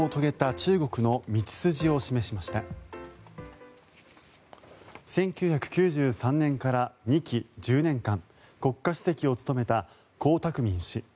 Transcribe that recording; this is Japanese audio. １９９３年から２期１０年間国家主席を務めた江沢民氏。